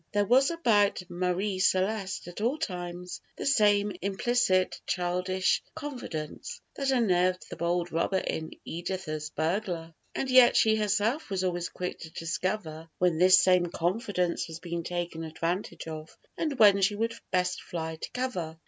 There was about Marie Celeste at all times the same implicit childish confidence that unnerved the bold robber in "Editha's Burglar," and yet she herself was always quick to discover when this same confidence was being taken advantage of, and when she would best fly to cover.